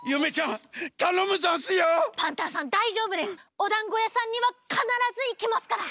おだんごやさんにはかならずいけますから！